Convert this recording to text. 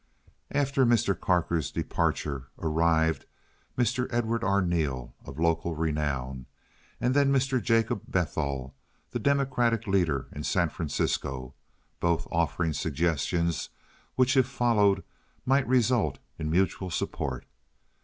After Mr. Carker's departure, arrived Mr. Edward Arneel, of local renown, and then Mr. Jacob Bethal, the Democratic leader in San Francisco, both offering suggestions which if followed might result in mutual support.